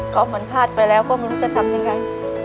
เขาเหมือนพลาดไปแล้วก็ไม่รู้จะทำยังไง